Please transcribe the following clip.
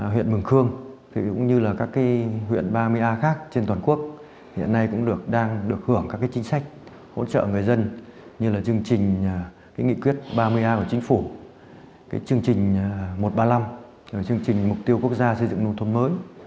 huyện mường khương cũng như là các huyện ba mươi a khác trên toàn quốc hiện nay cũng đang được hưởng các chính sách hỗ trợ người dân như là chương trình nghị quyết ba mươi a của chính phủ chương trình một trăm ba mươi năm chương trình mục tiêu quốc gia xây dựng nông thôn mới